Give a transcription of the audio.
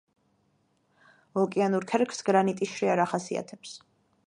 ოკეანურ ქერქს გრანიტის შრე არ ახასიათებს.